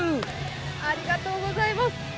ありがとうございます。